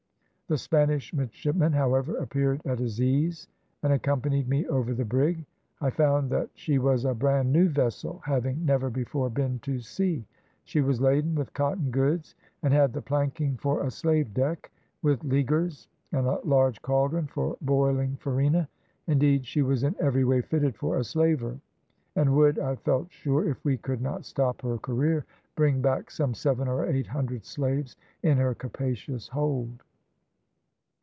The Spanish midshipman, however, appeared at his ease, and accompanied me over the brig; I found that she was a brand new vessel, having never before been to sea; she was laden with cotton goods, and had the planking for a slave deck, with leaguers, and a large cauldron for boiling farina; indeed, she was in every way fitted for a slaver, and would, I felt sure, if we could not stop her career, bring back some seven or eight hundred slaves in her capacious hold.